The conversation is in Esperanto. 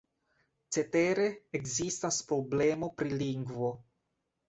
Cetere, ekzistas problemo pri lingvo.